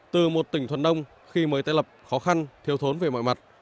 từ một tỉnh thuần đông khi mới tái lập khó khăn thiếu thốn về mọi mặt